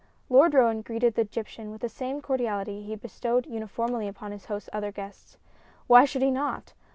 Lord Roane greeted the Egyptian with the same cordiality he had bestowed uniformly upon his host's other guests. Why should he not?